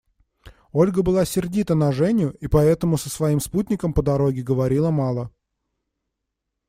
Ольга была сердита на Женю и поэтому со своим спутником по дороге говорила мало.